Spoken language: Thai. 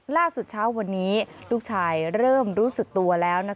ล่าสุดเช้าวันนี้ลูกชายเริ่มรู้สึกตัวแล้ว